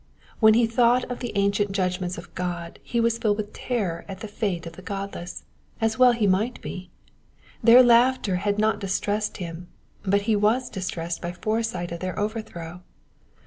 When he thought upon the ancient judgments of God he was filled with terror at the fate of the godless ; as well he might be. Their laughter had not dis tressed him, but he was distressed by a foresight of their overthrow.